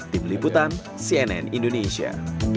tim liputan cnn indonesia